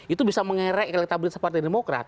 itu bisa mengerek elektabilitas partai demokrat